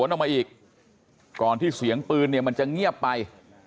ออกมาอีกก่อนที่เสียงปืนเนี่ยมันจะเงียบไป